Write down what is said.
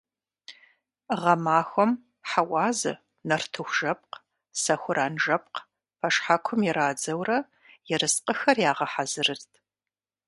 Гъэмахуэм хьэуазэ, нартыхужэпкъ, сэхуранжэпкъ пэшхьэкум ирадзэурэ, ерыскъыхэр ягъэхьэзырырт.